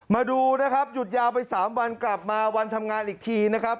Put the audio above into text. มาดูนะครับหยุดยาวไป๓วันกลับมาวันทำงานอีกทีนะครับ